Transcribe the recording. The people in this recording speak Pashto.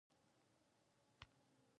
ډېر اداري مسایل یې ښځینه غلامانو ته وسپارل.